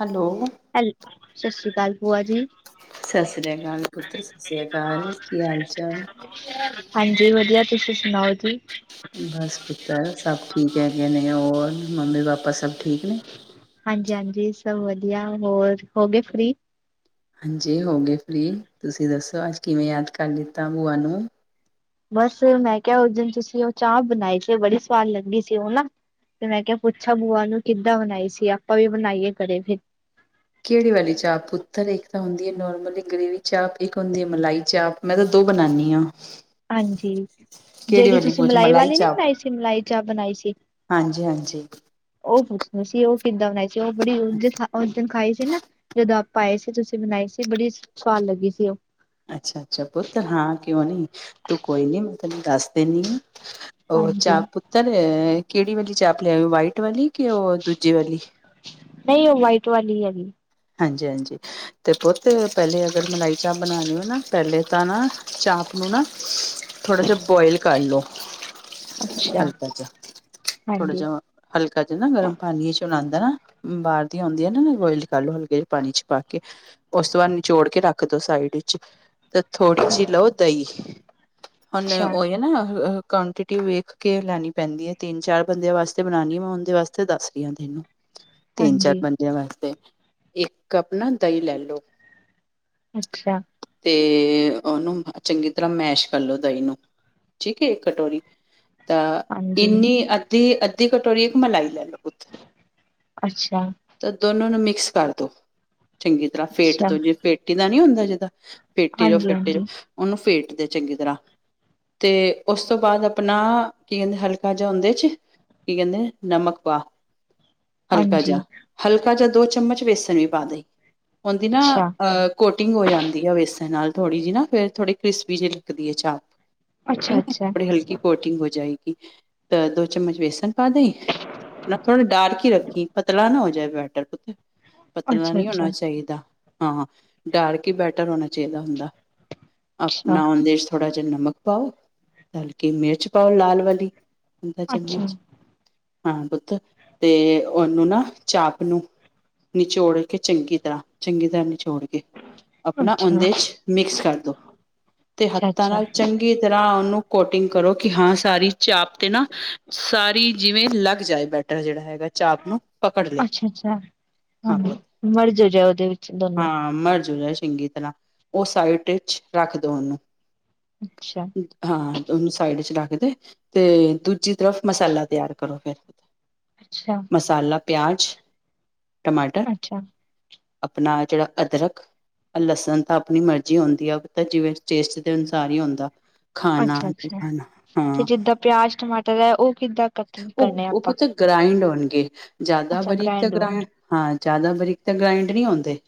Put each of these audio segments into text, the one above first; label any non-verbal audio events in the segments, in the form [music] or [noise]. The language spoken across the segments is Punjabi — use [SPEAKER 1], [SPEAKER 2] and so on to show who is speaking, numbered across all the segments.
[SPEAKER 1] ਹੈਲੋ
[SPEAKER 2] ਹੈਲ ਸਤਿ ਸ਼੍ਰੀ ਅਕਾਲ ਬੂਆ ਜੀ,
[SPEAKER 1] ਸਤਿ ਸ੍ਰੀ ਅਕਾਲ ਪੁੱਤਰ ਸਤਿ ਸ੍ਰੀ ਅਕਾਲ, ਕੀ ਹਾਲ ਚਾਲ?
[SPEAKER 2] ਹਾਂਜੀ ਵਧੀਆ, ਤੁਸੀਂ ਸੁਣਾਓ ਜੀ?
[SPEAKER 1] ਬਸ ਪੁੱਤਰ ਸਭ ਠੀਕ ਹੈਗੇ ਨੇ, ਹੋਰ ਮੰਮੀ ਪਾਪਾ ਸਭ ਠੀਕ ਨੇ?
[SPEAKER 2] ਹਾਂਜੀ-ਹਾਂਜੀ, ਸਭ ਵਧੀਆ ਹੋਰ ਹੋ ਗਏ ਫਰੀ?
[SPEAKER 1] ਹਾਂਜੀ ਹੋ ਗਏ ਫਰੀ, ਤੁਸੀਂ ਦੱਸੋ ਅੱਜ ਕਿਵੇਂ ਯਾਦ ਕਰ ਲਿੱਤਾ ਬੂਆ ਨੂੰ
[SPEAKER 2] ਬਸ ਮੈਂ ਕਿਹਾ ਉਸ ਦਿਨ ਤੁਸੀਂ ਉਹ ਚਾਹ ਬਣਾਈ ਸੀ ਬੜੀ ਸਵਾਦ ਲੱਗੀ ਸੀ ਉਹ ਨਾ ਤੇ ਮੈਂ ਕਿਹਾ ਪੁੱਛਾ ਬੂਆ, ਨੂੰ ਕਿੱਦਾਂ ਬਣਾਈ ਸੀ ਆਪਾਂ ਵੀ ਬਣਾਈਏ ਘਰੇ ਫਿਰ
[SPEAKER 1] ਕਿਹੜੀ ਵਾਲੀ ਚਾਪ ਪੁੱਤਰ ਇੱਕ ਤਾਂ ਹੁੰਦੀ ਐ, ਨੋਰਮਲੀ ਗ੍ਰੇਵੀ ਚਾਪ, ਇੱਕ ਹੁੰਦੀ ਹੈ ਮਲਾਈ ਚਾਪ ਮੈਂ ਤਾਂ ਦੋ ਬਣਾਨੀ ਆ
[SPEAKER 2] ਹਾਂਜੀ। ਜਿਹੜੀ
[SPEAKER 1] ਵਾਲੀ
[SPEAKER 2] ਤੁਸੀਂ
[SPEAKER 1] ਪੁੱਛ
[SPEAKER 2] ਮਲਾਈ ਵਾਲੀ ਨੀ
[SPEAKER 1] ਚਾਪ
[SPEAKER 2] ਬਣਾਈ ਸੀ ਮਲਾਈ ਚਾਪ ਬਣਾਈ ਸੀ।
[SPEAKER 1] ਹਾਂਜੀ ਹਾਂਜੀ
[SPEAKER 2] ਉਹ ਪੁੱਛਦੇ ਸੀ, ਉਹ ਕਿੱਦਾਂ ਬਣਾਈ ਸੀ ਉਹ ਬੜੀ ਉਝ ਉਸ ਦਿਨ ਖਾਈ ਸੀ ਨਾ ਜਦੋਂ ਆਪਾਂ ਆਏ ਸੀ, ਤੁਸੀਂ ਬਣਾਈ ਸੀ ਬੜੀ ਸਵਾਦ ਲੱਗੀ ਸੀ ਓ
[SPEAKER 1] ਅੱਛਾ -ਅੱਛਾ ਪੁੱਤਰ ਹਾਂ ਕਿਉਂ ਨੀ, ਤੂੰ ਕੋਈ ਨੀ ਮੈਂ ਤੈਨੂੰ ਦੱਸ ਦਿੰਨੀ ਆ। ਉਹ
[SPEAKER 2] ਹਾਂਜੀ
[SPEAKER 1] ਚਾਪ ਪੁੱਤਰ ਕਿਹੜੀ ਵਾਲੀ ਚਾਪ ਲਿਆਏ ਓ, ਵਾਈਟ ਵਾਲੀ ਕਿ ਓ ਦੂਜੇ ਵਾਲੀ
[SPEAKER 2] ਨਹੀਂ ਓ ਵਾਈਟ ਵਾਲੀ ਹੈਗੀ।
[SPEAKER 1] ਹਾਂਜੀ- ਹਾਂਜੀ। ਤੇ ਪੁੱਤ ਪਹਿਲੇ ਅਗਰ ਮਲਾਈ ਚਾਪ ਬਣਾਣੀ ਹੋਏ ਨਾ, ਪਹਿਲੇ ਤਾਂ ਨਾ ਚਾਪ ਨੂੰ ਨਾ ਥੋੜਾ ਜਾ ਬੋਇਲ ਕਰ ਲਓ।
[SPEAKER 2] [inaudible] ਅੱਛਾ
[SPEAKER 1] ਹਲਕਾ ਜਾ ਥੋੜਾ
[SPEAKER 2] ਹਾਂਜੀ
[SPEAKER 1] ਜਾ ਹਲਕਾ ਜਾ ਨਾ ਗਰਮ ਪਾਨੀ ਚ ਓਨੂੰ ਆਦਾ ਨਾ, ਬਾਹਰ ਦੀ ਆਉਂਦੀ ਹੈ ਨਾ ਬੋਇਲ ਕਲੋ ਹਲਕੇ ਜੇ ਪਾਨੀ ਚ ਪਾ ਕੇ, ਉਸ ਤੋਂ ਬਾਅਦ ਨਿਚੋੜ ਕੇ ਰੱਖ ਦੋ ਸਾਈਡ ਵਿੱਚ ਤੇ ਥੋੜੀ ਜੀਅ ਲਓ ਦਹੀਂ, ਹੁਣ
[SPEAKER 2] ਅੱਛਾ,
[SPEAKER 1] ਉਹੇ ਨਾ ਕੋਨਟੀ ਟੀਟੀ ਵੇਖ ਕੇ ਲੈਣੀ ਪੈਂਦੀ ਐ, ਤਿੰਨ ਚਾਰ ਬੰਦਿਆਂ ਵਾਸਤੇ ਬਣਾਣੀ ਐ, ਮੈਂ ਉਹਦੇ ਵਾਸਤੇ ਦੱਸ ਰਈ ਆ ਤੈਨੂੰ
[SPEAKER 2] [inaudible]
[SPEAKER 1] ਤਿੰਨ-ਚਾਰ ਬੰਦਿਆਂ ਵਾਸਤੇ, ਇੱਕ ਕੱਪ ਨਾ ਦਹੀਂ ਲੈ ਲਓ।
[SPEAKER 2] ਅੱਛਾ।
[SPEAKER 1] ਤੇ ਉਹਨੂੰ ਚੰਗੀ ਤਰ੍ਹਾਂ ਮੈਸ਼ ਕਰਲੋ ਦਹੀਂ ਨੂੰ ਠੀਕ ਹੈ ਇੱਕ ਕਟੋਰੀ, ਤਾਂ
[SPEAKER 2] ਹਾਂਜੀ,
[SPEAKER 1] ਇੰਨੀ ਅੱਧੀ- ਅੱਧੀ ਕਟੋਰੀ ਇੱਕ ਮਲਾਈ ਲੈ ਲਓ ਪੁੱਤ
[SPEAKER 2] ਅੱਛਾ।
[SPEAKER 1] ਤਾਂ ਦੋਨੋ ਨੂੰ ਮਿਕਸ ਕਰ ਦੋ, ਚੰਗੀ ਤਰ੍ਹਾਂ ਫੇਟ
[SPEAKER 2] ਅੱਛਾ।
[SPEAKER 1] ਦੋ, ਜੇ ਫੇਟੀ ਦਾ ਨੀ ਹੁੰਦਾ ਜਿੱਦਾ। ਫੇਟੀ ਜੋ-
[SPEAKER 2] ਹਾਂਜੀ,
[SPEAKER 1] ਫੇਟੀ ਜੋ
[SPEAKER 2] ਹਾਂਜੀ,
[SPEAKER 1] ਉਹਨੂੰ ਫੇਟ ਦੇ ਚੰਗੀ ਤਰ੍ਹਾਂ। ਤੇ ਉਸ ਤੋਂ ਬਾਅਦ ਆਪਣਾ ਕੀ ਕਹਿੰਦੇ ਹਲਕਾ ਜਾ ਉਹਦੇ ਚ ਕੀ ਕਹਿੰਦੇ ਨਮਕ ਪਾ। ਹਲਕਾ
[SPEAKER 2] ਹਾਂਜੀ,
[SPEAKER 1] ਜਾ, ਹਲਕਾ ਜਾ ਦੋ ਚਮਚ ਵੇਸਣ ਵੀ ਪਾ ਦੇ ਉਹਦੀ ਨਾ
[SPEAKER 2] ਅੱਛਾ,
[SPEAKER 1] ਅਹ। ਕੋਟਿੰਗ ਹੋ ਜਾਂਦੀ ਆ ਵੇਸਣ ਨਾਲ, ਥੋੜੀ ਜੀ ਨਾ ਫ਼ਿਰ ਥੋੜੀ ਕ੍ਰਿਸਪੀ ਜਿ ਲਗਦੀ ਐ ਚਾਪ
[SPEAKER 2] ਅੱਛਾ,
[SPEAKER 1] ਠੀਕ ਹੈ,
[SPEAKER 2] ਅੱਛਾ,
[SPEAKER 1] ਥੌੜੀ ਹਲਕੀ ਕੋਟਿੰਗ ਹੋ ਜਾਏਗੀ ਦਾ ਦੋ ਚਮਚ ਵੇਸਨ ਪਾ ਦੇ। ਨਾ ਥੋੜਾਂ ਡਾਰਕ ਹੀ ਰੱਖੀ, ਪਤਲਾ ਨਾ ਹੋ ਜਾਏਂ ਬੈਟਰ ਪੁੱਤ, ਪਤਲਾ
[SPEAKER 2] ਅੱਛਾ,
[SPEAKER 1] ਨੀਂ ਹੋਣਾ
[SPEAKER 2] ਅੱਛਾ।
[SPEAKER 1] ਚਾਹੀਦਾ ਹਾਂ ਡਾਰਕ ਹੀ ਬੈਟਰ ਹੋਣਾ ਚਾਹੀਂਦਾ ਹੁੰਦਾ,
[SPEAKER 2] ਅੱਛਾ,
[SPEAKER 1] ਆਪਣਾ ਉਹਦੇ ਚ ਥੋੜਾਂ ਜਾ ਨਮਕ ਪਾਓ, ਹਲਕੀ ਮਿਰਚ ਪਾਓ ਲਾਲ ਵਾਲੀ ਅੱਧਾ
[SPEAKER 2] ਅੱਛਾ,
[SPEAKER 1] ਚਮਚ। ਹਾਂ ਪੁੁੱਤ ਤੇ ਉਹਨੂੰ ਨਾ ਚਾਪ ਨੂੰ ਨਿਚੋੜ ਕੇ ਚੰਗੀ ਤਰ੍ਹਾਂ, ਚੰਗੀ ਤਰ੍ਹਾਂ ਨਿਚੋੜ ਕੇ ਆਪਣਾ
[SPEAKER 2] ਅੱਛਾ,
[SPEAKER 1] ਓਹਦੇ
[SPEAKER 2] ਅੱਛਾ,
[SPEAKER 1] ਚ ਮਿਕਸ ਕਰਦੋ, ਤੇ ਹੱਥਾਂ ਨਾਲ ਚੰਗੀ ਤਰ੍ਹਾਂ ਉਹਨੂੰ ਕੋਟਿੰਗ ਕਰੋ, ਕਿ ਹਾਂ ਸਾਰੀ ਚਾਪ ਤੇ ਨਾ ਸਾਰੀ ਜਿਵੇਂ ਲੱਗ ਜਾਏ ਬੈਟਰ ਹੈਗਾ ਜਿਹੜਾ ਚਾਪ ਨੂੰ ਪਕੜ ਲਏ,
[SPEAKER 2] ਅੱਛਾ, ਅੱਛਾ, ਅੱਛਾ,
[SPEAKER 1] ਹਾਂ
[SPEAKER 2] ਹਾਂਜੀ।
[SPEAKER 1] ਪੁੱਤ,
[SPEAKER 2] ਮਰਜ ਹੋ ਜਾਏ ਉਹਦੇ ਵਿੱਚ ਦੋਨੋ,
[SPEAKER 1] ਹਾਂ ਮਰਜ਼ ਹੋ ਜਾਏ ਚੰਗੀ ਤਰ੍ਹਾਂ ਉਹ ਸਾਈਡ ਵਿੱਚ ਰੱਖ ਦੋ ਉਹਨੂੰ
[SPEAKER 2] ਅੱਛਾ।
[SPEAKER 1] ਹਾਂ। ਉਹਨੂੰ ਸਾਈਡ ਚ ਰੱਖ ਦੇ। ਤੇ ਦੂਜੀ ਤਰਫ ਮਸਾਲਾ ਤਿਆਰ ਕਰੋ ਫਿਰ।
[SPEAKER 2] ਅੱਛਾ।
[SPEAKER 1] ਮਸਾਲਾ ਪਿਆਜ਼। ਟਮਾਟਰ,
[SPEAKER 2] ਅੱਛਾ,
[SPEAKER 1] ਆਪਣਾ ਜੇੜਾ ਅਦਰਕ। ਲਸਣ ਤਾਂ ਆਪਣੀ ਮਰਜ਼ੀ ਹੁੰਦੀ ਆ ਤਾਂ ਜਿਵੇਂ ਟੇਸਟ ਦੇ ਅਨੁਸਾਰ ਹੀ ਹੁੰਦਾ। ਖਾਣਾ
[SPEAKER 2] ਅੱਛਾ,
[SPEAKER 1] ਨਈਂ
[SPEAKER 2] ਅੱਛਾ।
[SPEAKER 1] ਖਾਣਾ।
[SPEAKER 2] ਤੇ
[SPEAKER 1] ਹਾਂ।
[SPEAKER 2] ਜਿੱਦਾਂ ਪਿਆਜ ਟਮਾਟਰ ਹੈ ਉਹ ਕਿੱਦਾਂ ਕੱਟ
[SPEAKER 1] ਓ
[SPEAKER 2] ਕਰਨੇ ਆਪਾਂ,
[SPEAKER 1] ਪੁੱਤ ਗ੍ਰਾਇੰਡ ਹੋਣਗੇ। ਜ਼ਿਆਦਾ
[SPEAKER 2] ਅੱਛਾ
[SPEAKER 1] ਬਰੀਕ ਤਾਂ
[SPEAKER 2] ਗ੍ਰੈਂਡ
[SPEAKER 1] ਗ੍ਰਾ ਹਾਂ, ਜ਼ਿਆਦਾ ਬਰੀਕ ਤਾਂ ਗ੍ਰਾਇੰਡ ਨਈਂ ਹੁੰਦੇ।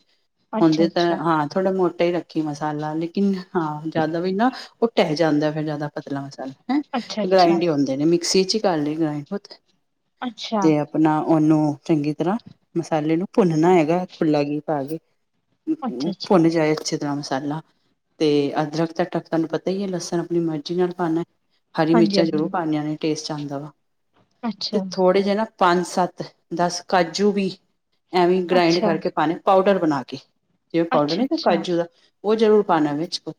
[SPEAKER 2] ਅੱਛਾ,
[SPEAKER 1] ਹੁੰਦੇ ਤਾਂ
[SPEAKER 2] ਅੱਛਾ,
[SPEAKER 1] ਹਾਂ। ਥੋੜਾ ਮੋਟਾ ਈ ਰੱਖੀ ਮਸਾਲਾ, ਲੇਕਿਨ ਹਾਂ ਜ਼ਿਆਦਾ ਵੀ ਨਾ ਓ ਢਹਿ ਜਾਂਦਾ ਫਿਰ ਜ਼ਿਆਦਾ ਪਤਲਾ ਮਸਾਲਾ ਹੈਂ!
[SPEAKER 2] ਅੱਛਾ,
[SPEAKER 1] ਤੇ
[SPEAKER 2] ਅੱਛਾ, ਅੱਛਾ,
[SPEAKER 1] ਗ੍ਰਾਇੰਡ ਈ ਹੁੰਦੇ ਨੇ ਮਿਕਸੀ ਚ। ਕਰ ਲਈ ਗ੍ਰਾਇਡ ਉਤੱ
[SPEAKER 2] ਅੱਛਾ,
[SPEAKER 1] ਤੇ ਅਪਣਾ ਓਨੂੰ ਚੰਗੀ ਤਰ੍ਹਾਂ ਮਸਾਲੇ ਨੂੰ ਭੁੰਨਣਾ ਹੈਗਾ। ਖੁੱਲ੍ਹਾ ਘੀ ਪਾ ਕੇ।
[SPEAKER 2] ਅੱਛਾ,
[SPEAKER 1] ਭੁੰਨ ਜਾਏ ਅੱਛੇ ਤਰ੍ਹਾਂ ਮਸਾਲਾ ਤੇ ਅਦਰਕ ਦਾ ਢੱਕਣ ਪਤਾ ਈ ਐ। ਲਸਣ ਆਪਣੀ ਮਰਜੀ ਨਾਲ ਪਾਣਾ। ਹਰੀ
[SPEAKER 2] ਹਾਂਜੀ,
[SPEAKER 1] ਮਿਰਚਾਂ ਜ਼ਰੂਰ
[SPEAKER 2] ਹਾਂਜੀ।
[SPEAKER 1] ਪਾਣੀਆਂ ਨੇ, ਟੇਸਟ ਆਂਦਾ ਵਾ ਤੇ
[SPEAKER 2] ਅੱਛਾ,
[SPEAKER 1] ਥੋੜ੍ਹੇ ਜੇ ਨਾ ਪੰਜ-ਸੱਤ ਦਸ ਕਾਜੂ ਵੀ। ਐਵੇਂ ਗ੍ਰਾਇੰਡ
[SPEAKER 2] ਅੱਛਾ,
[SPEAKER 1] ਕਰਕੇ ਪਾਣੇ ਪਾਊਡਰ ਬਣਾ ਕੇ। ਤੇ ਪਾਊਡਰ
[SPEAKER 2] ਅੱਛਾ,
[SPEAKER 1] ਨਈਂ ਤੇ
[SPEAKER 2] ਅੱਛਾ।
[SPEAKER 1] ਕਾਜੂ ਦਾ। ਓ ਜ਼ਰੂਰ ਪਾਣਾ ਵਿੱਚ ਕ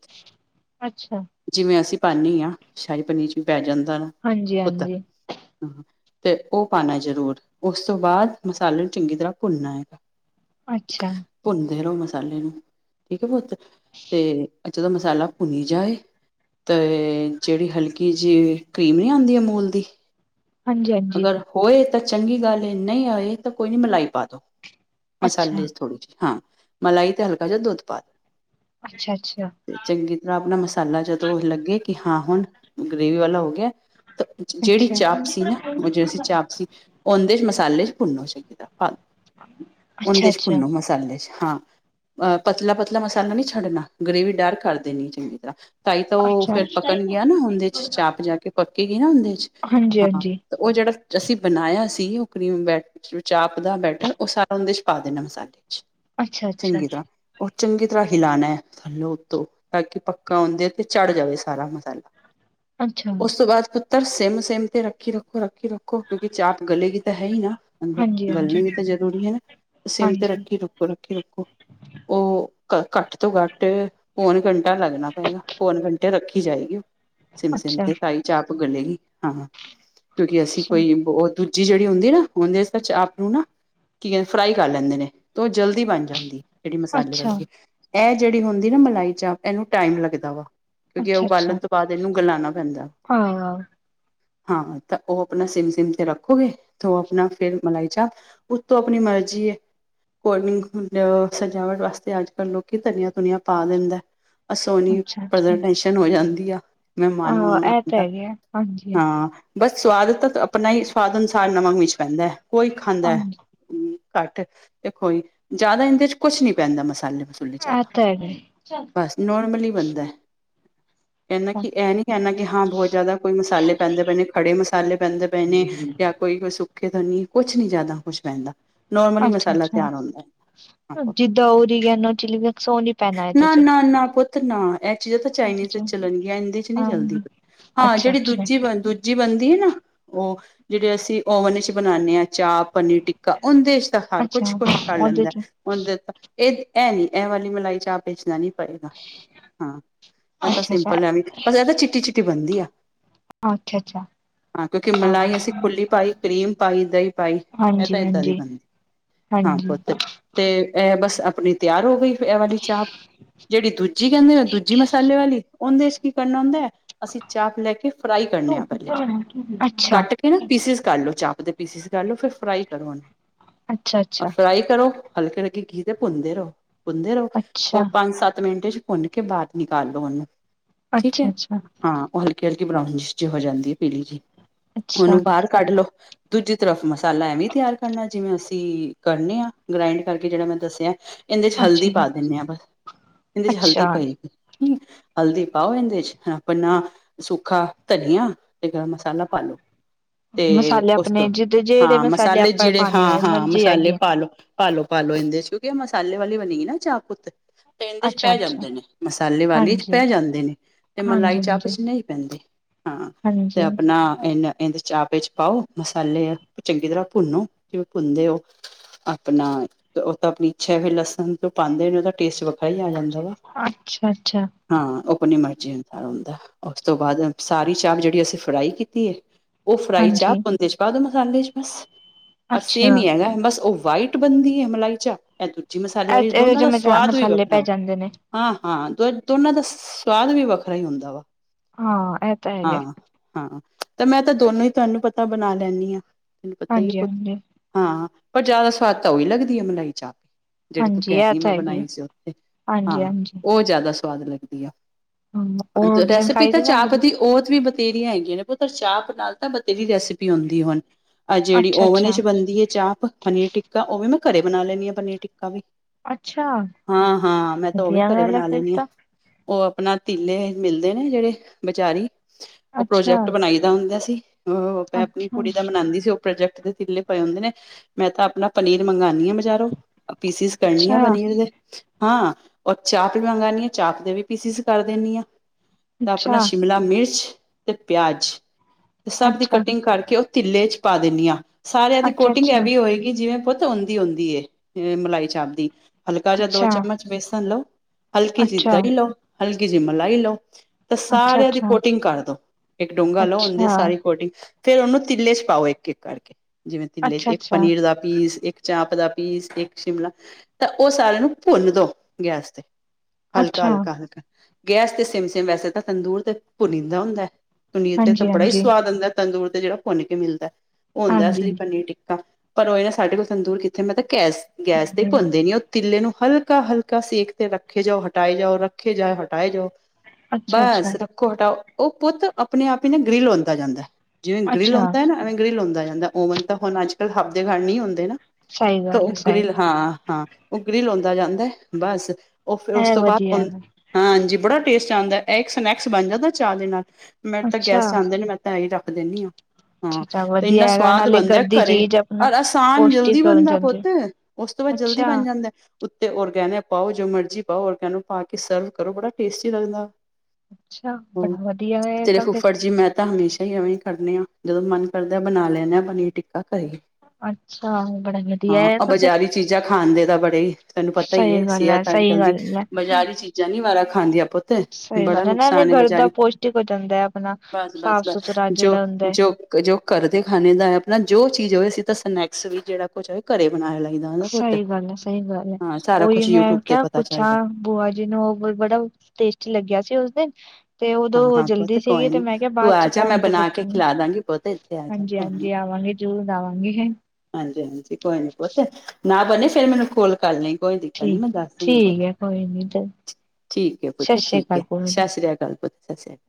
[SPEAKER 2] ਅੱਛਾ।
[SPEAKER 1] ਜਿਵੇਂ ਅਸੀਂ ਪਾਣੇ ਈ ਆਂ। ਸ਼ਾਹੀ ਪਨੀਰ ਚ ਵੀ ਪੈ ਜਾਂਦਾ ਨਾਂ।
[SPEAKER 2] ਹਾਂਜੀ ਹਾਂਜੀ।
[SPEAKER 1] ਹਂ ਤੇ ਓ ਪਾਣਾ ਜ਼ਰੂਰ। ਉਸ ਤੋਂ ਬਾਅਦ ਮਸਾਲੇ ਨੂੰ ਚੰਗੀ ਤਰ੍ਹਾਂ ਭੁੰਨਣਾ।
[SPEAKER 2] ਅੱਛਾ।
[SPEAKER 1] ਭੁੰਨਦੇ ਰੋ ਮਸਾਲੇ ਨੂੰ, ਠੀਕ ਐ ਪੁੱਤ? ਤੇ ਜਦੋਂ ਮਸਾਲਾ ਭੁੰਨੀ ਜਾਏ ਤੇ ਜੇੜੀ ਹਲਕੀ ਜੀ ਕ੍ਰੀਮ ਨੀਂ ਆਂਦੀ ਅਮੂਲ ਦੀ
[SPEAKER 2] ਹਾਂਜੀ ਹਾਂਜੀ।
[SPEAKER 1] ਅਗਰ ਹੋਏ ਤਾਂ ਚੰਗੀ ਗੱਲ ਏ ਨਈ ਹੋਏ ਤਾਂ ਕੋਈ ਨੀਂ ਮਲਾਈ ਪਾ ਦੋ।
[SPEAKER 2] ਅੱਛਾ।
[SPEAKER 1] ਮਸਾਲੇ ਚ ਥੋੜ੍ਹੀ ਜੀ ਹਾਂ, ਮਲਾਈ ਤੇ ਹਲਕਾ ਜਿਆ ਦੁੱਧ ਪਾ ਦੋ
[SPEAKER 2] ਅੱਛਾ ਅੱਛਾ।
[SPEAKER 1] ਤੇ ਚੰਗੀ ਤਰ੍ਹਾਂ ਆਪਣਾ ਮਸਾਲਾ ਜਦੋਂ ਲੱਗੇ ਕਿ ਹਾਂ ਹੁਣ ਗ੍ਰੇਵੀ ਵਾਲਾ ਹੋ ਗਿਆ। ਤੇ ਜੇੜੀ
[SPEAKER 2] ਅੱਛਾ।
[SPEAKER 1] ਚਾਪ ਸੀ ਨਾ ਓ ਜੈਸੀ ਚਾਪ ਸੀ। ਉਹਂਦੇ ਚ ਮਸਾਲੇ ਚ ਭੁੰਨੋ ਚੰਗੀ ਤਰ੍ਹਾਂ ਪਾ ਦ
[SPEAKER 2] ਅੱਛਾ-ਅੱਛਾ,
[SPEAKER 1] ਉਹਂਦੇ ਚ ਭੁੰਨੋ ਮਸ ਮਸਾਲੇ ਚ ਹਾਂ, ਅਹ ਪਤਲਾ-ਪਤਲਾ ਮਸਾਲਾ ਨਈਂ ਛੱਡਣਾ, ਗ੍ਰੇਵੀ ਡਾਰਕ ਕਰ ਦੇਣੀ ਚੰਗੀ ਤਰ੍ਹਾਂ। ਤਾਈ ਤਾਂ ਓ
[SPEAKER 2] ਅੱਛਾ।
[SPEAKER 1] ਫੇਰ ਪਕਣ ਗੀਆਂ ਨਾ ਓਹਦੇ ਚ, ਚਾਪ ਜਾ ਕੇ ਪਕੇਗੀ ਨਾ ਓਹਦੇ ਚ ਹਾਂ।
[SPEAKER 2] ਹਾਂਜੀ-ਹਾਂਜੀ,
[SPEAKER 1] ਤੇ ਓ ਜੇੜਾ ਅਸੀਂ ਬਣਾਇਆ ਸੀ ਕ੍ਰੀਮ ਬੈ ਚਾਪ ਦਾ ਬੈਟਰ ਉਹ ਸਾਰਾ ਉਹਂਦੇ ਚ ਪਾ ਦੇਣਾ ਮਸਾਲੇ ਚ।
[SPEAKER 2] ਅੱਛਾ-ਅੱਛਾ,
[SPEAKER 1] ਚੰਗੀ ਤਰਾਂ, ਓ ਚੰਗੀ ਤਰ੍ਹਾਂ ਹਿਲਾਣਾ ਐ। ਥੱਲੋ ਉੱਤੋਂ ਤਾਂ ਕਿ ਪੱਕਾ ਹੁੰਦਿਆਂ ਤੇ ਝੜ ਜਾਵੇ ਸਾਰਾ ਮਸਾਲਾ
[SPEAKER 2] ਅੱਛਾ।
[SPEAKER 1] ਉਸ ਤੋਂ ਬਾਅਦ ਪੁੱਤਰ ਸਿਮ-ਸਿਮ ਤੇ ਰੱਖੀ-ਰੱਖੋ, ਰੱਖੀ-ਰੱਖੋ। ਕਿਉਂਕਿ ਚਾਪ ਗਲੇਗੀ ਤਾਂ ਹੈ ਈ ਨਾਂ ਅੰਦਰ।
[SPEAKER 2] ਹਾਂਜੀ-ਹਾਂਜੀ। ਹਾਂਜੀ,
[SPEAKER 1] ਗੱਲਣੀ
[SPEAKER 2] ਹਾਂਜੀ
[SPEAKER 1] ਵੀ ਤਾਂ ਜ਼ਰੂਰੀ ਹੈਨਾ! ਸਿਮ ਤੇ
[SPEAKER 2] ਹਾਂਜੀ,
[SPEAKER 1] ਰੱਖੀ-ਰੱਖੋ, ਰੱਖੀ-ਰੱਖੋ। ਓ ਘੱਟ ਤੋਂ ਘੱਟ ਪੌਣ ਘੰਟਾ ਲੱਗਣਾ ਪਏਗਾ, ਪੌਣ ਘੰਟੇ ਰੱਖੀ ਜਾਏਗੀ। ਸਿਮ- ਸਿਮ
[SPEAKER 2] ਅੱਛਾ,
[SPEAKER 1] ਤੇ ਤਾਈ ਚਾਪ ਗਲੇਗੀ ਹਾਂ ਕਿਉਂਕਿ ਅਸੀਂ
[SPEAKER 2] ਅੱਛਾ,
[SPEAKER 1] ਕੋਈ ਦੂਜੀ ਜਿਹੜੀ ਜਿਹੜੀ ਹੁੰਦੀ ਨਾ ਓਹਦੇ ਚ ਚਾਪ ਨੂੰ ਨਾ ਕੀ ਕਹਿੰਦੇ ਫਰਾਈ ਕਰ ਲੈਂਦੇ ਨੇ ਤੇ ਉਹ ਜਲਦੀ ਬਣ ਜਾਂਦੀ। ਜਿਹੜੀ ਮਸਾਲੇ
[SPEAKER 2] ਅੱਛਾ,
[SPEAKER 1] ਵਾਲੀ ਏ ਇਹ ਜਿਹੜੀ ਹੁੰਦੀ ਨਾ ਮਲਾਈ ਚਾਪ ਇਹਨੂੰ ਟਾਈਮ ਲੱਗਦਾ ਵਾ। ਕਿਉਂਕਿ ਉਬਾਲਣ
[SPEAKER 2] ਅੱਛਾ-ਅੱਛਾ।
[SPEAKER 1] ਤੋਂ ਬਾਅਦ ਇਹਨੂੰ ਗਲਾਉਣਾ ਪੈਂਦਾ।
[SPEAKER 2] ਹਾਂ।
[SPEAKER 1] ਹਾਂ ਤਾਂ ਉਹ ਆਪਣਾ ਸਿਮ -ਸਿਮ ਤੇ ਰੱਖੋਗੇ? ਤੋਂ ਆਪਣਾ ਫਿਰ ਮਲਾਈ ਚਾਪ ਉੱਤੋਂ ਆਪਣੀ ਮਰਜ਼ੀ ਐ। ਕੋਲਡ ਡਿੰਕ ਸਜਾਵਟ ਵਾਸਤੇ ਅੱਜ -ਕੱਲ੍ਹ ਲੋਕੀ ਧਨੀਆ ਧੁਨੀਆ ਪਾ ਦਿੰਦਾ। ਅ ਸੋਹਣੀ
[SPEAKER 2] ਅੱਛਾ-ਅੱਛਾ,
[SPEAKER 1] ਪਰੇਜ਼ੇਂਟੇਸ਼ਨ ਹੋ ਜਾਂਦੀ ਆ। ਮੈਂ ਮਨ
[SPEAKER 2] ਹਾਂ
[SPEAKER 1] ਬਣੋਨਾ
[SPEAKER 2] ਇਹ ਤਾਂ ਹੈਗੇ ਆ, ਹਾਂਜੀ।
[SPEAKER 1] ਹੁੰਦਾ ਬਸ ਸਵਾਦ ਤਾਂ ਆਪਣਾ ਹੀ ਸਵਾਦ ਅਨੁਸਾਰ ਨਮਕ ਮਿਰਚ ਪੈਂਦਾ ਹੈ ਕੋਈ ਖਾਂਦਾ ਹੈ।
[SPEAKER 2] ਹਾਂਜੀ,
[SPEAKER 1] ਹੂ ਘੱਟ ਦੇਖੋ ਜੀ ਜਿਆਦਾ ਇਹਦੇ ਚ ਕੁਝ ਨੀ ਪੈਂਦਾ ਮਸਾਲੇ ਮਸੇ ਲੋੜ ਨੀ
[SPEAKER 2] ਐ
[SPEAKER 1] ਜ਼ਿਆਦਾ
[SPEAKER 2] ਤਾਂ ਹੈਗੇ।
[SPEAKER 1] ਬਸ ਨੋਰਮਲ ਹੀ ਬਣਦਾ ਐ। ਐਨਾ ਕਿ ਇਹ ਨੂੰ ਐਨਾ ਕਿ ਹਾਂ ਬਹੁਤ ਜ਼ਿਆਦਾ ਕੋਈ ਮਸਾਲੇ ਪੈਂਦੇ ਪਏ ਨੇ ਖੜੇ ਮਸਾਲੇ ਪੈਂਦੇ ਪਏ ਨੇ। ਜਾਂ ਕੋਈ ਕੋਈ ਸੁੱਕੇ ਧਨੀ ਕੁਝ ਨੀ ਜਿਆਦਾ ਕੁਛ ਪੈਂਦਾ ਨੋਰਮਲੀ ਮਸਾਲਾ
[SPEAKER 2] ਅੱਛਾ-ਅੱਛਾ,
[SPEAKER 1] ਤਿਆਰ ਹੁੰਦਾ ਐ।
[SPEAKER 2] ਜਿੱਦਾਂ ਓਰਗੇਨੋ ਚਿੱਲੀ ਫਲੇਕਸ ਓਹ ਨੀ ਪੈਣਾ ਇਹ ਚ
[SPEAKER 1] ਨਾ ਨਾ ਨਾ ਪੁੱਤ ਨਾ ਇਹ ਚੀਜ਼ਾਂ ਤਾਂ ਚਾਈਨੀਜ਼ ਚ ਚੱਲਣਗੀਆਂ ਇਹਦੇ ਚ ਨਹੀਂ ਚੱਲਦੀ ਹਾਂ
[SPEAKER 2] ਅੱਛਾ
[SPEAKER 1] ਜਿਹੜੀ
[SPEAKER 2] ਅੱਛਾ
[SPEAKER 1] ਦੂਜੀ ਦੂਜੀ ਜੀ ਬਣਦੀ ਹੈ ਨਾ ਉਹ ਜਿਹੜੇ ਅਸੀਂ ਓਵਨ ਚ ਬਣਾਉਂਦੇ ਹਾਂ ਚਾਪ ਪਨੀਰ ਟਿੱਕਾ ਉਹਦੇ ਚ ਤਾਂ ਹਰ
[SPEAKER 2] ਅੱਛਾ
[SPEAKER 1] ਕੁਝ- ਕੁਝ ਕਰ
[SPEAKER 2] ਉਹਦੇ
[SPEAKER 1] ਲੈਂਦਾ।
[SPEAKER 2] ਚ
[SPEAKER 1] ਓਹਦੇ ਤਾਂ ਇਹ ਐ ਨੀ ਇਹ ਵਾਲੀ ਮਲਾਈ ਚਾਪ ਵਿਚ ਤਾਂ ਨੀ ਪਏਗਾ ਹਾਂ ਇਹ ਤਾਂ
[SPEAKER 2] ਅੱਛਾ ਅੱਛਾ
[SPEAKER 1] ਸਿੰਪਲ ਹੈ ਵੀ ਇਹ ਤਾਂ ਚਿੱਟੀ- ਚਿੱਟੀ ਬਣਦੀ ਆ।
[SPEAKER 2] ਅੱਛਾ- ਅੱਛਾ
[SPEAKER 1] ਹਾਂ ਕਿਉਂਕਿ ਮਲਾਈ ਅਸੀਂ ਖੁੱਲੀ
[SPEAKER 2] ਹਾਂ।
[SPEAKER 1] ਪਾਈ ਕਰੀਮ ਪਾਈ ਦਹੀਂ ਪਾਈ ਇਹ
[SPEAKER 2] ਹਾਂਜੀ
[SPEAKER 1] ਤਾਂ ਏਦਾਂ ਦੀ
[SPEAKER 2] ਹਾਂਜੀ
[SPEAKER 1] ਬਣਦੀ ਹਾਂ
[SPEAKER 2] ਹਾਂਜੀ
[SPEAKER 1] ਪੁੱਤ ਤੇ ਇਹ ਬਸ ਆਪਣੀ ਤਿਆਰ ਹੋ ਗਈ ਇਹ ਵਾਲੀ ਚਾਪ। ਜਿਹੜੀ ਦੂਜੀ ਕਹਿੰਦੇ ਹੋ, ਦੂਜੀ ਮਸਾਲੇ ਵਾਲੀ, ਉਹਦੇ ਚ ਕੀ ਕਰਨਾ ਹੁੰਦਾ ਹੈ, ਅਸੀਂ ਚਾਪ ਲੈ ਕੇ ਫਰਾਈ ਕਰਨੇ ਆ, ਪਹਿਲੇ
[SPEAKER 2] ਅੱਛਾ ਅੱਛਾ
[SPEAKER 1] ਕੱਟ ਹੇ ਨਾ ਪੀਸਿਸ ਕਰ ਲਓ ਚਾਪ ਦੇ, ਪੀਸਿਸ ਕਰ ਲਓ, ਫਿਰ ਫਰਾਈ ਕਰੋ ੳਹਨੁ,
[SPEAKER 2] ਅੱਛਾ ਅੱਛਾ
[SPEAKER 1] ਫਰਾਈ ਕਰੋ। ਹਲਕੇ-ਹਲਕੇ ਗੀ ਤੇ, ਭੁੰਨਦੇ ਰਹੋ- ਭੁੰਨਦੇ ਰਹੋ, ਉਹ
[SPEAKER 2] ਅੱਛਾ
[SPEAKER 1] ਪੰਜ-ਸੱਤ ਮਿੰਟ ਚ ਭੁੰਨ ਕੇ ਬਾਅਰ ਨਿਕਾਲ ਲੋ ਉਹਨੂੰ, ਠੀਕ ਹੈ,
[SPEAKER 2] ਅੱਛਾ
[SPEAKER 1] ਹਾਂ। ੳਹ ਹਲਕੀ-ਹਲਕੀ ਬਰਾਊਨਿਸ਼ ਜਿ ਹੋ ਜਾਂਦੀ ਏ, ਪੀਲੀ ਜੀ,
[SPEAKER 2] ਅੱਛਾ
[SPEAKER 1] ਉਹਨੂੰ ਬਾਹਰ ਕੱਢ ਲੋੋ। ਦੂਜੀ ਤਰਫ, ਮਸਾਲਾ ਐਵੇਂ ਤਿਆਰ ਕਰਨਾ ਜਿਵੇਂ ਅਸੀਂ ਕਰਨੇ ਆ, ਗ੍ਰਾਇੰਡ ਕਰਕੇ ਜਿਹੜਾ ਮੈਂ ਦੱਸਿਆ। ਇੰਹਦੇ ਚ ਹਲਦੀ
[SPEAKER 2] ਅੱਛਾ
[SPEAKER 1] ਪਾ ਦਿੰਨੇ ਹਾਂ ਬਸ, ਇਹਦੇ ਚ ਹਲਦੀ
[SPEAKER 2] ਅੱਛਾ
[SPEAKER 1] ਪਾਈਗੀ। ਹਲਦੀ ਪਾਓ ਇੰਹਦੇ ਚ, ਆਪ ਨਾ ਸੁੱਖਾ ਧਨੀਆ, ਤੇ ਗਰਮ ਮਸਾਲਾ ਪਾ ਲੋ। ਤੇ,
[SPEAKER 2] ਮਸਾਲੇ
[SPEAKER 1] ਉਸ
[SPEAKER 2] ਆਪਣੇ
[SPEAKER 1] ਤੋਂ
[SPEAKER 2] ਜਿਦੇ ਜਿਹੜੇ
[SPEAKER 1] ਹਾਂ, ਮਸਾਲੇ
[SPEAKER 2] ਆਪਾਂ
[SPEAKER 1] ਜਿਹੜੇ
[SPEAKER 2] ਪਾਣੇ ਹੋਏ
[SPEAKER 1] ਹਾਂ-ਹਾਂ,
[SPEAKER 2] ਮਰਜ਼ੀ
[SPEAKER 1] ਮਸਾਲੇ
[SPEAKER 2] ਹੈਗੀ ਆ
[SPEAKER 1] ਪਾ ਲਓ। ਪਾਲੳ-ਪਾਲੳ ਇੰਹਦੇ ਚ, ਕਿਉਂਕਿ ਮਸਾਲੇ ਵਾਲੀ ਬਣੀ ਗਈ ਨਾ, ਚਾਹ ਪੁੱਤ। ਤੇ ਇੰਹਦੇ ਚ
[SPEAKER 2] ਅੱਛਾ
[SPEAKER 1] ਪੈ
[SPEAKER 2] ਅੱਛਾ
[SPEAKER 1] ਜਾਂਦੇ ਨੇ? ਮਸਾਲੇ ਵਾਲੀ ਚ
[SPEAKER 2] ਹਾਂਜੀ
[SPEAKER 1] ਪੈ ਜਾਂਦੇ ਨੇ, ਤੇ ਮਲਾਈ
[SPEAKER 2] ਹਾਂਜੀ
[SPEAKER 1] ਚਾਪ
[SPEAKER 2] ਹਾਂਜੀ
[SPEAKER 1] ਚ ਨਹੀਂ ਪੈਂਦੇ। ਹਾਂ, ਤੇ
[SPEAKER 2] ਹਾਂਜੀ
[SPEAKER 1] ਆਪਨਾ, ਇਹੰ ੰਦ ਚਾਪ ਵਿੱਚ ਪਾਓ, ਮਸਾਲੇ ਅ ਚੰਗੀ ਤਰ੍ਹਾਂ ਭੁੰਨੋ, ਜਿਵੇਂ ਭੁੰਨਦੇ ਹੋ। ਆਪਨਾ, ਉਹ ਤਾਂ ਆਪਣੀ ਇੱਛਾ ਵੇ, ਲਸਣ ਤੋਂ ਪਾਉਂਦੇ ਨੇ, ਉਹਦਾ ਟੇਸਟ ਵ ਖਾਈ ਆ ਜਾਂਦਾ ਵਾ?
[SPEAKER 2] ਅੱਛਾ ਅੱਛਾ
[SPEAKER 1] ਹਾਂ, ਉਹ ਆਪਨੀ ਮਰਜ਼ੀ ਨਾਲ ਹੁੰਦਾ, ਉਸ ਤੋਂ ਬਾਅਦ, ਸਾਰੀ ਚਾਪ ਜਿਹੜੀ ਅਸੀਂ ਫਰਾਈ ਕੀਤੀ ਇ, ਉਹ ਫਰਾਈ ਚਾਪ
[SPEAKER 2] ਹਾਂਜੀ
[SPEAKER 1] ਪੁੰਦੇ ਚ ਪਾ ਦੋ ਮਸਾਲੇ ਚ ਬਸ, ਆ ਸੇਮ
[SPEAKER 2] ਅੱਛਾ
[SPEAKER 1] ਈ ਹੈਗਾ, ਬਸ ਉਹ ਵਾਈਟ ਬਣਦੀ ਏ ਮਲਾਈ ਚਾਪ, ਇਹ ਦੁਜੀ ਮਸਾਲੇ
[SPEAKER 2] ਇਹ
[SPEAKER 1] ਵਾਲੀ,
[SPEAKER 2] ਇਹਦੇ
[SPEAKER 1] ਦੋਨਾਂ
[SPEAKER 2] ਚ
[SPEAKER 1] ਦਾ
[SPEAKER 2] ਮਸਾ
[SPEAKER 1] ਸਵਾਦ ਵੀ
[SPEAKER 2] ਮਸਾਲੇ
[SPEAKER 1] ਵੱਖਰਾ-
[SPEAKER 2] ਪੈ
[SPEAKER 1] ਵ
[SPEAKER 2] ਜਾਂਦੇ ਨੇ
[SPEAKER 1] ਹਾਂ ਹਾਂ, ਦੋਇ ਦੋਨਾ ਦਾ ਸਵਾਦ ਵੀ ਵੱਖਰਾ ਹੀ ਹੁੰਦਾ ਵਾ।
[SPEAKER 2] ਹਾਂ, ਇਹ ਤਾ ਹੈਗਾ।
[SPEAKER 1] ਹਾਂ ਹਾਂ, ਤੇ ਮੈਂ ਤਾਂ ਦੋਨੋ ਹੀ, ਤੇਨੂੰ ਪਤਾ ਬਣਾ ਲੈਂਨੀ ਹਾਂ, ਤੈਨੂੰ ਪਤਾ ਹੀ
[SPEAKER 2] ਹਾਂਜੀ
[SPEAKER 1] ਹੈ
[SPEAKER 2] ਹਾਂਜੀ
[SPEAKER 1] ਹਾਂ, ਪਰ ਜ਼ਿਆਦਾ ਸਵਾਦ ਤਾਂ ਉਹੀ ਲੱਗਦੀ ਹੈ, ਮਲਾਈ ਚਾਪ। ਜਿਹੜੀ ਤੂੰ
[SPEAKER 2] ਹਾਂਜੀ ਇਹ
[SPEAKER 1] ਕਹਿਣੀ ਆ
[SPEAKER 2] ਤਾਂ
[SPEAKER 1] ਮੈਂ
[SPEAKER 2] ਹੈਗੀ ਹੈ
[SPEAKER 1] ਬਣਾਈ ਸੀ ਉੱਥੇ,
[SPEAKER 2] ਹਾਂਜੀ
[SPEAKER 1] ਹਾਂ,
[SPEAKER 2] ਹਾਂਜੀ
[SPEAKER 1] ਉਹ ਜ਼ਿਆਦਾ ਸਵਾਦ ਲੱਗਦੀ ਆ।
[SPEAKER 2] ਹਮ ਉਹ ਉਸ
[SPEAKER 1] ਹਾਂ,
[SPEAKER 2] ਦਿਨ
[SPEAKER 1] ਰੈਸਪੀ
[SPEAKER 2] ਖਾਈ
[SPEAKER 1] ਤਾਂ
[SPEAKER 2] ਸੀ ਨਾ
[SPEAKER 1] ਚਾਪ
[SPEAKER 2] ਬੜੀ
[SPEAKER 1] ਦੀ ਓਤ ਵੀ ਥੇਰੀਆਂ ਹੈਗੀਆਂ ਨੇ ਪੁਤਰ ਚਾਪ ਨਾਲ ਤਾਂ ਬਥੇਰੀ ਰੈਸਿਪੀ ਹੁੰਦੀ ਹੋੁਣ ਆਹ ਜਿਹੜੀ
[SPEAKER 2] ਅੱਛਾ
[SPEAKER 1] ਓਵਨ
[SPEAKER 2] ਅੱਛਾ
[SPEAKER 1] ਵਿੱਚ ਬਣਦੀ ਹੈ ਚਾਪ, ਪਨੀਰ ਟਿੱਕਾ, ਉਵੇ ਮੈਂ ਘਰੇ ਬਣਾ ਲੈਂਨੀ ਹਾਂ ਪਨੀਰ ਟਿੱਕਾ ਵੀ।
[SPEAKER 2] ਅੱਛਾ
[SPEAKER 1] ਹਾਂ ਹਾਂ, ਮੈਂ ਤਾਂ ਉਹ ਵੀ
[SPEAKER 2] ਵਧੀਆ
[SPEAKER 1] ਘਰੇ
[SPEAKER 2] ਗੱਲ ਹੈ
[SPEAKER 1] ਬਣਾ
[SPEAKER 2] ਫਿਰ
[SPEAKER 1] ਲੈਣੀ ਆ।
[SPEAKER 2] ਤਾਂ
[SPEAKER 1] ਉਹ ਆਪਣਾ ਤੀਲੇ ਮਿਲਦੇ ਨੇ, ਜਿਹੜੇ ਬਜਾਰੀ, ਉਹ
[SPEAKER 2] ਅੱਛਾ
[SPEAKER 1] ਪ੍ਰੋਜੈਕਟ ਬਣਾਈ ਦਾ ਹੁੰਦਾ ਏ ਸਿ, ਉਹ ਮੈ ਆਪਣੀ
[SPEAKER 2] ਅੱਛਾ
[SPEAKER 1] ਕੁੜੀ ਦਾ ਬਨਾਂਦੀ ਸੀ ਓ ਪ੍ਰੋਜੈਕਟ ਦੇ ਤੀਲੇ ਪਏ ਹੁੰਦੇ ਨੇ, ਮੈਂ ਤਾਂ ਆਪਣਾ ਪਨੀਰ ਮੰਗਉਣੀ ਹਾਂ ਬਜ਼ਾਰੋ ਪੀਸਿਸ ਕਰਨੀ ਆ
[SPEAKER 2] ਅੱਛਾ
[SPEAKER 1] ਪਨੀਰ ਦੇ ਹਾਂ, ੳਹ ਚਾਪ ਵੀ ਮੰਗਣੀ ਆ, ਚਾਪ ਦੇ ਵੀ ਪੀਸਿਸ ਕਰ ਦੇਨੀ ਆ, ਤਾਂ ਆਪਣਾ
[SPEAKER 2] ਅੱਛਾ
[SPEAKER 1] ਸ਼ਿਮਲਾ ਮਿਰਚ ਤੇ ਪਿਆਜ਼ ਤੇ ਸਭ ਦੀ
[SPEAKER 2] ਅੱਛਾ ਅੱਛਾ
[SPEAKER 1] ਕਟਿੰਗ ਕਰਕੇ ਉਹ ਤਿੱਲੇ ਚ ਪਾ ਦੇਨੀ ਹਾਂ, ਸਾਰਿਆਂ ਦੀ ਕੋਟਿੰਗ ਐ
[SPEAKER 2] ਅੱਛਾ
[SPEAKER 1] ਵੀ ਹੋਏਗੀ ਜਿਵੇਂ ਪੁੱਤ ੳੰਦੀ ਹੁੰਦੀ ਏ, ਅ ਮਲਾਈ ਚਾਪ ਦੀ, ਹਲਕਾ ਜਾਂ ਦੋ
[SPEAKER 2] ਅੱਛਾ
[SPEAKER 1] ਚਮਚ ਬੇਸਨ ਲਓ, ਹਲਕੀ ਜਹੀ
[SPEAKER 2] ਅੱਛਾ
[SPEAKER 1] ਦਹੀਂ ਲਓ, ਹਲਕੀ ਜਿਹੀ ਮਲਾਈ ਲਓ ਤੇ
[SPEAKER 2] ਅੱਛਾ ਅੱਛਾ
[SPEAKER 1] ਸਾਰਿਆਂ ਦੀ
[SPEAKER 2] ਅੱਛਾ
[SPEAKER 1] ਕੋਟਿੰਗ ਕਰ ਦੋ, ਇੱਕ ਡੂੰਘਾ ਲਓ
[SPEAKER 2] ਅੱਛਾ
[SPEAKER 1] ੳਂਦਿਸ ਅਕੋਰਡਿੰਗ, ਤੇ ਉਹਨੂੰ ਤਿੱਲੇ ਚ ਪਾਓ ਇੱਕ ਇੱਕ ਕਰਕੇ, ਜਿਵੇਂ ਤਿੱਲੇ ਚ ਇੱਕ
[SPEAKER 2] ਅੱਛਾ
[SPEAKER 1] ਪਨੀਰ ਦਾ ਪੀਸ, ਇੱਕ ਚਾਪ ਦਾ ਪੀਸ, ਇੱਕ ਸ਼ਿਮਲਾ ਤਾਂ ਉਹ ਸਾਰਿਆਂ ਨੂੰ ਭੁੰਨ ਦੋ, ਗੈਸ ਤੇ ਹਲਕਾ
[SPEAKER 2] ਅੱਛਾ
[SPEAKER 1] ਹਲਕਾ ਹਲਕਾ, ਗੈਸ ਤੇ ਸਿਮ ਸਿਮ ਵੈਸੇ ਤਾਂ ਤੰਦੂਰ ਤੇ ਭੁੰਨੀਦਾ ਹੁੰਦਾ ਹੈ। ਪਨੀਰ ਤੇ ਤਾਂ
[SPEAKER 2] ਹਾਂਜੀ
[SPEAKER 1] ਬੜਾ ਹੀ
[SPEAKER 2] ਹਾਂਜੀ
[SPEAKER 1] ਸਵਾਦ ਆਂਦਾ, ਤੰਦੂਰ ਤੇ ਜਿਹੜਾ ਭੁੰਨ ਕੇ ਮਿਲਦਾ, ਉਹ ਹੁੰਦਾ ਅਸਲੀ
[SPEAKER 2] ਹਾਂਜੀ
[SPEAKER 1] ਪਨੀਰ ਟਿੱਕਾ। ਪਰ ਉਹ ਇਹ ਨਾ, ਸਾਡੇ ਕੋਲ ਤੰਦੂਰ ਕਿੱਥੇ, ਮੇ ਤਾਂ ਗੈਸ ਗੈਸ ਤੇ ਭੁੰਂਦੀ ਰਾਇ ਆ ਉਹ ਤਿੱਲੇ ਨੂੰ ਹਲਕਾ ਹਲਕਾ ਸੇਕ ਤੇ ਰੱਖੇ ਜਾਓ, ਹਟਾਏ ਜਾਓ, ਰੱਖੇ ਜਾਏ ਹਟਾਏ ਜਾਓ।
[SPEAKER 2] ਅੱਛਾ
[SPEAKER 1] ਬਸ
[SPEAKER 2] ਅੱਛਾ
[SPEAKER 1] ਰੱਖੋ ਹਟਾਓ, ਉਹ ਪੁੱਤ, ਆਪਣੇ ਆਪ ਹੀ ਨਾ ਗ੍ਰਿਲ ਹੋਂਦਾ ਜਾਂਦਾ ਜਿਵੇਂ ਗ੍ਰਿਲ
[SPEAKER 2] ਅੱਛਾ
[SPEAKER 1] ਹੋਂਦਾ ਨਾ ਏਵੇਂ ਗ੍ਰਿਲ ਹੋਂਦਾ ਜਾਂਦਾ, ਓਵਨ ਤਾਂ ਹੁਣ ਅੱਜ ਕੱਲ ਹਬ ਦੇ ਘਰ ਨਹੀਂ ਹੁੰਦੇ ਨਾ।
[SPEAKER 2] ਸਹੀ
[SPEAKER 1] ਤਾਂ
[SPEAKER 2] ਗੱਲ ਹੈ
[SPEAKER 1] ਉਹ
[SPEAKER 2] ਸਹੀ
[SPEAKER 1] ਗਿ੍ਲ, ਹਾਂ ਹਾਂ ਉਹ ਗਿ੍ਲ ਹੋਂਦਾ ਜਾਂਦਾ ਬਸ ਉਹ ਫਿਰ, ਉਸ
[SPEAKER 2] ਇਹ
[SPEAKER 1] ਤੋਂ ਬਾਅਦ
[SPEAKER 2] ਵਧੀਆ
[SPEAKER 1] ਭੁਨ
[SPEAKER 2] ਹੈ।
[SPEAKER 1] ਹਾਂਜੀ ਬੜਾ ਟੇਸਟ ਆਉਂਦਾ ਇਹ ਇੱਕ ਸਨੈਕਸ ਬਣ ਜਾਂਦਾ ਚਾਹ ਦੇ ਨਾਲ ਮੇਰੇ ਤਾਂ
[SPEAKER 2] ਅੱਛਾ
[SPEAKER 1] ਗੈਸਟ ਆਉਂਦੇ ਨੇ ਮੈਂ ਇਹੀ ਹੀ ਰੱਖ ਦੇਨੀ ਆ ਹਾਂ
[SPEAKER 2] ਅੱਛਾ-ਅੱਛਾ
[SPEAKER 1] ਤੇ ਇੰਨਾ
[SPEAKER 2] ਵਧੀਆ ਹੈਗਾ
[SPEAKER 1] ਸਵਾਦ
[SPEAKER 2] ਨਾਲੇ
[SPEAKER 1] ਬਣਦਾ
[SPEAKER 2] ਘਰ ਦੀ
[SPEAKER 1] ਘਰੇ
[SPEAKER 2] ਚੀਜ਼ ਆਪਣਾ
[SPEAKER 1] ਪਰ ਆਸਾਨ
[SPEAKER 2] ਪੌਸ਼ਟਿਕ
[SPEAKER 1] ਜਲਦੀ
[SPEAKER 2] ਬਣ
[SPEAKER 1] ਬਣਦਾ
[SPEAKER 2] ਜਾਂਦੀ
[SPEAKER 1] ਪੁੱਤ ਉਸ ਤੋਂ ਬਾਅਦ ਜਲਦੀ ਬਣ
[SPEAKER 2] ਅੱਛਾ-ਅੱਛਾ
[SPEAKER 1] ਜਾਂਦਾ ਉੱਤੇ ਔਰਗੈਨਿਕ ਪਾਓ ਜੋ ਮਰਜ਼ੀ ਪਾਓ ਔਰਗੈਨਿਕ ਪਾ ਕੇ ਸਰਵ ਕਰੋ ਬੜਾ ਟੇਸਟੀ ਲੱਗਦਾ ਹ
[SPEAKER 2] ਬੜਾ ਵਧੀਆ ਹੈ
[SPEAKER 1] ਤੇਰੇ
[SPEAKER 2] ਤਾਂ ਫਿਰ
[SPEAKER 1] ਫੁੱਫੜ ਜੀ ਮੈਂ ਤਾਂ ਹਮੇਸ਼ਾ ਹੀ ਐਵੇਂ ਹੀ ਕਰਨੇ ਆ ਜਦੋਂ ਮਨ ਕਰਦਾ ਬਣਾ ਲੈਂਦੇ ਹਾਂ ਪਨੀਰ ਟਿੱਕਾ ਘਰੇ
[SPEAKER 2] ਅੱਛਾ ਬੜਾ ਵਧੀਆ
[SPEAKER 1] ਹਾਂ
[SPEAKER 2] ਹੈ
[SPEAKER 1] ਉਹ
[SPEAKER 2] ਤਾਂ ਫਿਰ
[SPEAKER 1] ਬਾਜ਼ਾਰੀ ਚੀਜ਼ਾਂ ਖਾਣ ਦੇ ਤਾਂ ਬੜੇ ਹੀ ਤੈਨੂੰ ਪਤਾ ਪਤਾ ਹੀ
[SPEAKER 2] ਸਹੀ
[SPEAKER 1] ਹੈ
[SPEAKER 2] ਗੱਲ
[SPEAKER 1] ਸਿਹਤ ਅੱਜ
[SPEAKER 2] ਸਹੀ
[SPEAKER 1] ਕੱਲ ਦੀ
[SPEAKER 2] ਗੱਲ ਹੈ
[SPEAKER 1] ਬਾਜ਼ਾਰੀ ਚੀਜ਼ਾਂ ਨੀ ਵਾਰਾ ਖਾਂਦੀਆਂ ਪੁੱਤ
[SPEAKER 2] ਸਹੀ
[SPEAKER 1] ਬੜਾ
[SPEAKER 2] ਗੱਲ ਹੈ ਨਾਲੇ
[SPEAKER 1] ਨੁਕਸਾਨ ਏ
[SPEAKER 2] ਘਰ ਦਾ
[SPEAKER 1] ਬਜ਼ਾਰੀ
[SPEAKER 2] ਪੋਸ਼ਟਿਕ ਹੋ ਜਾਂਦਾ ਹੈ ਆਪਣਾ
[SPEAKER 1] ਬਸ ਬਸ
[SPEAKER 2] ਸਾਫ਼ ਸੁਥਰਾ
[SPEAKER 1] ਜੋ
[SPEAKER 2] ਜਿਹੜਾ ਹੁੰਦਾ ਹੈ
[SPEAKER 1] ਜੋ ਜੋ ਘਰ ਦੇ ਖਾਣੇ ਦਾ ਆਪਣਾ ਜੋ ਚੀਜ਼ ਹੋਵੇ ਸੀ ਤਾਂ ਸਨੈਕਸ ਵੀ ਜਿਹੜਾ ਕੁਛ ਹੋਏ ਘਰੇ ਬਣਾ ਲੈਂਈਦਾ ਉਹਦਾ ਪੁੱਤ
[SPEAKER 2] ਸਹੀ ਗੱਲ ਹੈ ਸਹੀ ਗੱਲ ਹੈ
[SPEAKER 1] ਹਾਂ ਸਾਰਾ
[SPEAKER 2] ਉਹੀ
[SPEAKER 1] ਕੁਛ
[SPEAKER 2] ਮੈਂ
[SPEAKER 1] ਯੂਟਿਊਬ ਤੇ
[SPEAKER 2] ਕਿਹਾ
[SPEAKER 1] ਪਤਾ ਚੱਲ
[SPEAKER 2] ਪੁੱਛਾਂ
[SPEAKER 1] ਜਾਂਦਾ
[SPEAKER 2] ਬੂਆ ਜੀ ਨੂੰ ਉਹ ਬੜਾ ਟੇਸਟੀ ਲੱਗਿਆ ਸੀ ਉਸ ਦਿਨ ਤੇ
[SPEAKER 1] ਹਾਂ
[SPEAKER 2] ਉਦੋਂ
[SPEAKER 1] ਹਾਂ
[SPEAKER 2] ਜਲਦੀ
[SPEAKER 1] ਪੁੱਤ
[SPEAKER 2] ਸੀਗੀ
[SPEAKER 1] ਕੋਈ
[SPEAKER 2] ਤੇ
[SPEAKER 1] ਨੀ
[SPEAKER 2] ਮੈਂ ਕਿਹਾ
[SPEAKER 1] ਤੂੰ
[SPEAKER 2] ਬਾਅਦ
[SPEAKER 1] ਆ
[SPEAKER 2] ਚ
[SPEAKER 1] ਜਾ
[SPEAKER 2] ਫੋਨ
[SPEAKER 1] ਮੈਂ
[SPEAKER 2] ਤੇ
[SPEAKER 1] ਬਣਾ ਕੇ
[SPEAKER 2] ਪੁੱਛਣੀ
[SPEAKER 1] ਖਿਲਾ ਦਾਂਗੀ ਪੁੱਤ ਇੱਥੇ ਆ ਜਾ
[SPEAKER 2] ਹਾਂਜੀ
[SPEAKER 1] ਕੋਈ ਨੀ
[SPEAKER 2] ਹਾਂਜੀ ਆਵਾਂਗੀ ਜ਼ਰੂਰ ਆਵਾਂਗੇ
[SPEAKER 1] ਹਾਂਜੀ ਹਾਂਜੀ ਕੋਈ ਨੀ ਪੁੱਤ ਨਾ ਬਣੇ ਫਿਰ ਮੈਨੂੰ ਕੋਲ ਕਰ ਲਈ ਕੋਈ ਨੀ ਕਹਿੰਦੀ
[SPEAKER 2] ਠੀਕ
[SPEAKER 1] ਦੱਸ ਤੋਂ ਲੇਬਰ
[SPEAKER 2] ਠੀਕ ਹੈ ਕੋਈ ਨੀ ਸਤਿ
[SPEAKER 1] ਠੀਕ ਐ ਪੁੱਤ
[SPEAKER 2] ਸ੍ਰੀ
[SPEAKER 1] ਠੀਕ ਐ
[SPEAKER 2] ਅਕਾਲ ਭੂਆ ਜੀ।
[SPEAKER 1] ਸਤਿ ਸ੍ਰੀ ਅਕਾਲ ਪੁੱਤ [unintelligible]